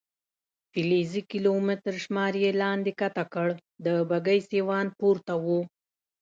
فلزي کیلومتر شمار یې لاندې کښته کړ، د بګۍ سیوان پورته و.